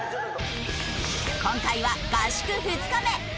今回は合宿２日目！